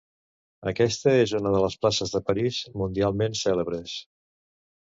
Aquesta és una de les places de París mundialment cèlebres.